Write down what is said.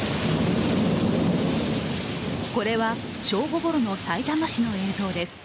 これは、正午ごろのさいたま市の映像です。